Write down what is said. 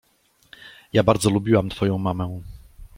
Ja bardzo lubiłam twoją mamę.